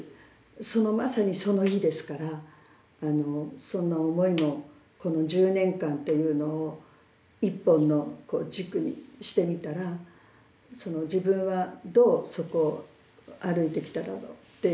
そのまさにその日ですからそんな思いもこの１０年間というのを一本の軸にしてみたら自分はどうそこを歩いてきただろうっていう。